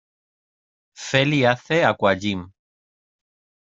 Feli hace aquagym.